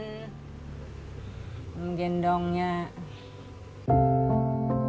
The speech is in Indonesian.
kemudian dia berjalan